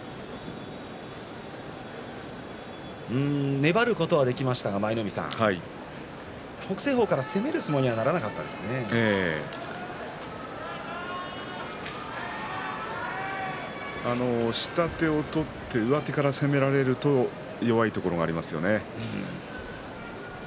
粘ることはできましたが舞の海さん、北青鵬の方から攻め下手を取って上手から攻められると弱いところがありますね。